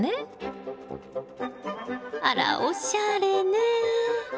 あらおしゃれね。